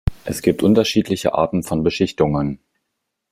Es gibt unterschiedliche Arten von Beschichtungen.